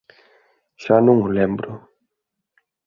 Xa non o lembro...